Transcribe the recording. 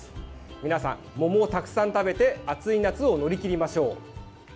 皆さん、桃をたくさん食べて暑い夏を乗り切りましょう。